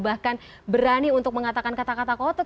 bahkan berani untuk mengatakan kata kata kotut